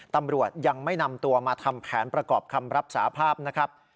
ตำรวจยังไม่นำตัวมาทำแผนประกอบคำรับสาภาพนะครับ